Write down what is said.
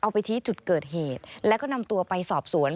ไปชี้จุดเกิดเหตุแล้วก็นำตัวไปสอบสวน